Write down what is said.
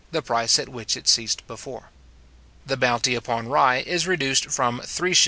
the price at which it ceased before. The bounty upon rye is reduced from 3s:6d.